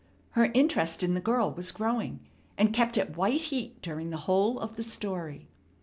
Her interest in the girl was growing, and kept at white heat during the whole of the story.